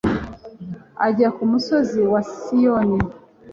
ajya ku musozi wa siyoni